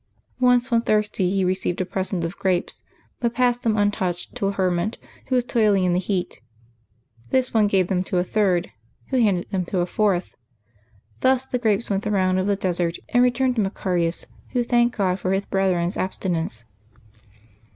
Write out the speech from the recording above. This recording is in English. Once when thirsty he received a present of grapes, but passed them untouched to a hermit who was toiling in the heat. This one gave them to a third, who handed them to a fourth; thus the grapes went the round of the desert and returned to Macarius, who thanked God for his brethren's abstinence.